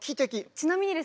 ちなみにですね